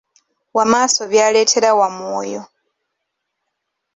Wamaaso byaleetera Wamwoyo.